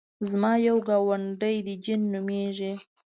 زما یو ګاونډی دی جین نومېږي.